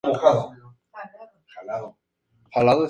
Su sede se encuentra en la ciudad griega de Tesalónica.